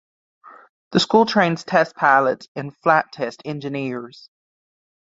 The school trains test pilots and flight test engineers.